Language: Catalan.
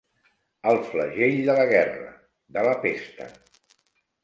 El flagell de la guerra, de la pesta.